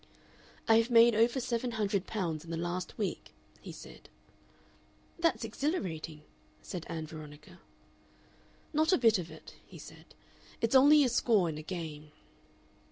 "I have made over seven hundred pounds in the last week," he said. "That's exhilarating," said Ann Veronica. "Not a bit of it," he said; "it's only a score in a game."